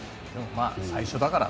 最初だから。